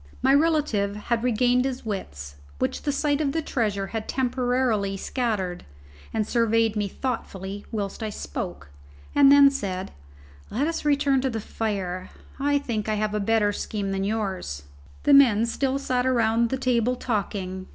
My relative had regained his wits, which the sight of the treasure had temporarily scattered, and surveyed me thoughtfully whilst I spoke; and then said, "Let us return to the fire; I think I have a better scheme than yours." The men still sat around the table talking.